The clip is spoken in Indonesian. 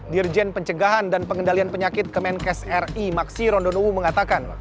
dirjen pencegahan dan pengendalian penyakit kementerian kesehatan ri maksi rondonowo mengatakan